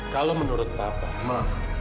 kalo menurut papa ma